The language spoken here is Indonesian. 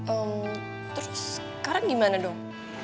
oh terus sekarang gimana dong